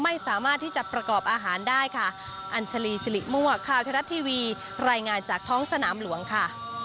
ไม่สามารถที่จะประกอบอาหารได้ค่ะ